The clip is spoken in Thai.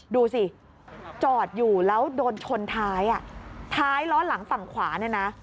ดูสิจอดอยู่แล้วโดนชนท้ายอ่ะท้ายล้อหลังฝั่งขวาเนี่ยนะ